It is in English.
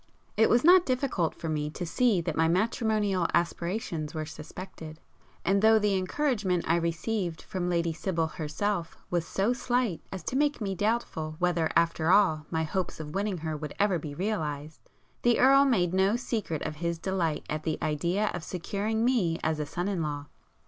It was not difficult for me to see that my matrimonial aspirations were suspected,—and though the encouragement I received from Lady Sibyl herself was so slight as to make me doubtful whether after all my hopes of winning her would ever be realized, the Earl made no secret of his delight at the idea of securing me as a son in law.